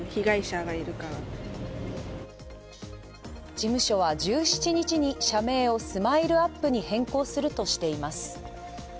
事務所は１７日に社名をＳＭＩＬＥ−ＵＰ．に変更するとしています。